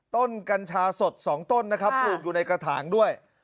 กัญชาสด๒ต้นนะครับปลูกอยู่ในกระถางด้วย